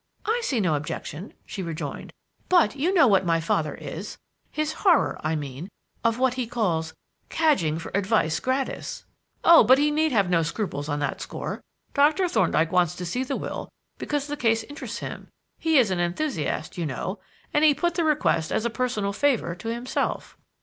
"I see no objection," she rejoined; "but you know what my father is: his horror, I mean, of what he calls 'cadging for advice gratis.'" "Oh, but he need have no scruples on that score. Doctor Thorndyke wants to see the will because the case interests him. He is an enthusiast, you know, and he put the request as a personal favor to himself."